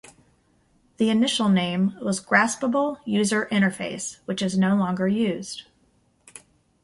The initial name was Graspable User Interface, which is no longer used.